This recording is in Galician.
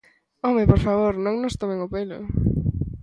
¡Home, por favor, non nos tomen o pelo!